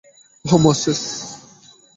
ওহ, Moses.